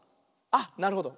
あっなるほど。